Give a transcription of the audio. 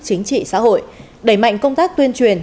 chính trị xã hội đẩy mạnh công tác tuyên truyền